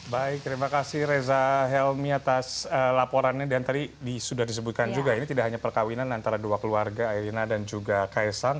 baik terima kasih reza helmi atas laporannya dan tadi sudah disebutkan juga ini tidak hanya perkawinan antara dua keluarga airina dan juga kaisang